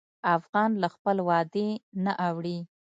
افغان له خپل وعدې نه اوړي.